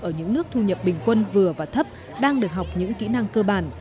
ở những nước thu nhập bình quân vừa và thấp đang được học những kỹ năng cơ bản